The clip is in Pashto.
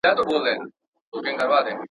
څو څو ځله کښته پورته وروسته وړاندي.